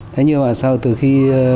thế nhưng mà sau từ khi